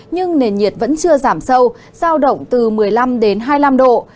nhưng nền nhiệt vẫn chưa giảm sâu sao động từ một mươi năm đến hai mươi năm độ